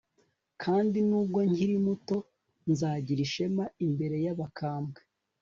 kandi n'ubwo nkiri muto, nzagira ishema imbere y'abakambwe